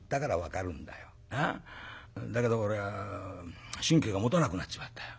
だけど俺は神経がもたなくなっちまったよ。